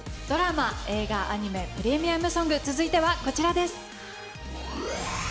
ドラマ・映画・アニメプレミアムソング、続いてはこちらです。